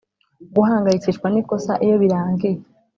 guhangayikishwa n'ikosa iyo birangiye